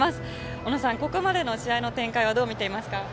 おのさん、ここまでの試合の展開どう見ていますか。